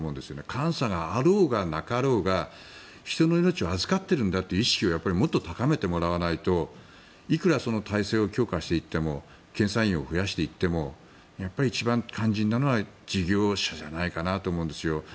監査があろうがなかろうが人の命を預かっているんだという意識をもっと高めてもらわないといくら体制を強化していっても検査員を増やしていってもやっぱり一番肝心なのは事業者じゃないかなと思うんですよ。